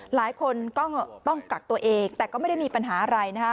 หลายคนก็ต้องกักตัวเองแต่ก็ไม่ได้มีปัญหาอะไรนะฮะ